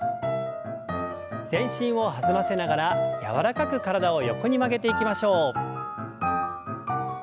全身を弾ませながら柔らかく体を横に曲げていきましょう。